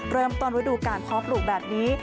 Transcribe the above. เริ่มต้นวัดดูการพอปลุกแบบนี้